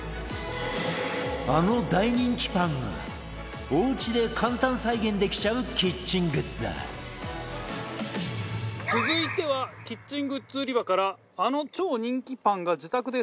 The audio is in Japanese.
あの大人気パンがおうちで簡単再現できちゃうキッチングッズ続いてはキッチングッズ売り場からあの超人気パンが自宅で再現できるグッズです。